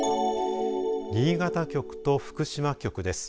新潟局と福島局です。